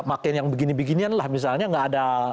memakai yang begini beginian lah misalnya tidak ada